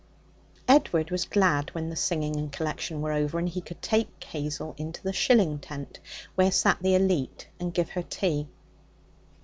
Edward was glad when the singing and collection were over, and he could take Hazel into the shilling tent, where sat the elite, and give her tea.